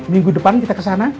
minggu depan kita kesana